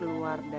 suh nggak ada